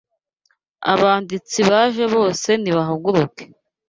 Abanditsi baje bose nibahaguruke